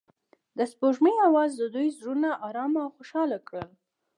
د سپوږمۍ اواز د دوی زړونه ارامه او خوښ کړل.